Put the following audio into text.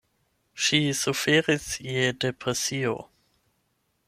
Ŝi suferis je depresio.